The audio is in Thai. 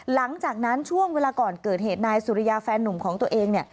หลังจากนั้นช่วงเวลาก่อนเกิดเหตุนายสุริยาแฟนนุ่มของตัวเองเนี่ย